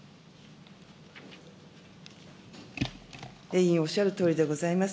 委員おっしゃるとおりでございます。